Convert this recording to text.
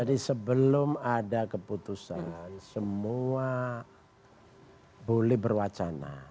jadi sebelum ada keputusan semua boleh berwacana